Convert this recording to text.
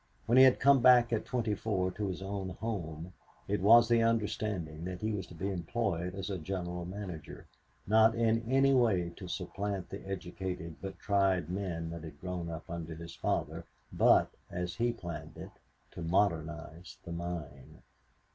When he had come back at twenty four to his own home, it was the understanding that he was to be employed as a general manager, not in any way to supplant the educated but tried men that had grown up under his father, but, as he planned it, to modernize the mine.